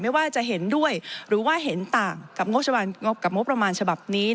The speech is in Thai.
ไม่ว่าจะเห็นด้วยหรือว่าเห็นต่างกับงบประมาณฉบับนี้